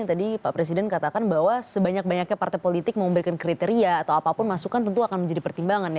tadi pak presiden katakan bahwa sebanyak banyaknya partai politik memberikan kriteria atau apapun masukan tentu akan menjadi pertimbangan